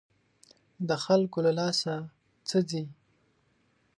د خلکو له لاسه څه ځي.